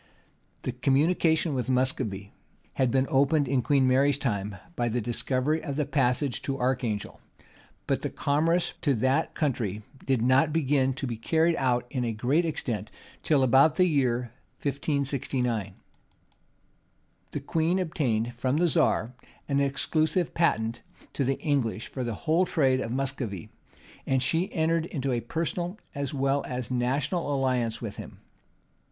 The communication with Muscovy had been opened in Queen Mary's time by the discovery of the passage to Archangel: but the commerce to that country did not begin to be carried on to a great extent till about the year 1569. The queen obtained from the czar an exclusive patent to the English for the whole trade of Muscovy;[*] and she entered into a personal as well as national alliance with him.